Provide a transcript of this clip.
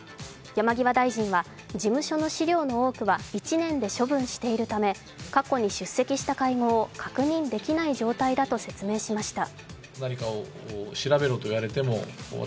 山際大臣は事務所の資料の多くは１年で処分しているため、過去に出席した会合を確認できない状況だと説明しました。